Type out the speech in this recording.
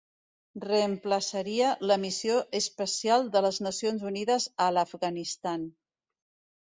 Reemplaçaria la Missió Especial de les Nacions Unides a l'Afganistan.